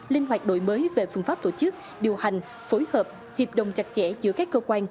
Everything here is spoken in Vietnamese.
linh hoạt đổi mới về phương pháp tổ chức điều hành phối hợp hiệp đồng chặt chẽ giữa các cơ quan